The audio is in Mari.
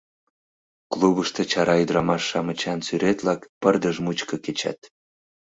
Клубышто чара ӱдырамаш-шамычан сӱрет-влак пырдыж мучко кечат.